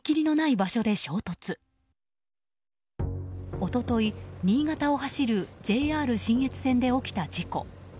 一昨日、新潟を走るＪＲ信越線で起きた事故。